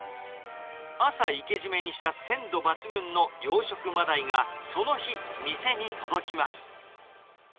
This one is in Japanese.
朝いけじめにした鮮度抜群の養殖マダイが、その日、店に届きます。